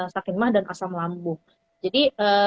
sakit mah dan asam lambung jadi